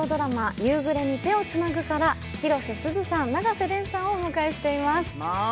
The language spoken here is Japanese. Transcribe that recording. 「夕暮れに、手をつなぐ」から広瀬すずさん、永瀬廉さんをお迎えしています。